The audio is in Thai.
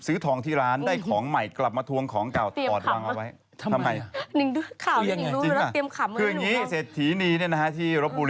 เอ้ยแต่ว่าเอาจริง